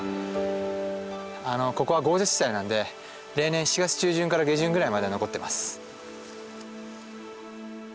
ここは豪雪地帯なんで例年７月中旬から下旬ぐらいまでは残ってます。